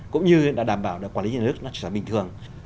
cũng như đã đảm bảo để quản lý nhà nước nó trở thành bình thường